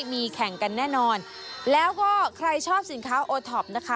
มีแข่งกันแน่นอนแล้วก็ใครชอบสินค้าโอท็อปนะคะ